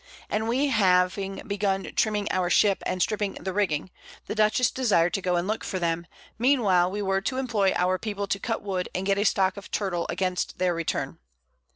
And we having begun trimming our Ship, and stripping the Rigging; the Dutchess desired to go and look for them, mean while we were to employ our People to cut Wood and get a Stock of Turtle against their Return.